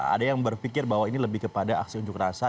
ada yang berpikir bahwa ini lebih kepada aksi unjuk rasa